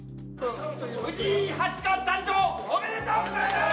藤井八冠誕生おめでとうございます！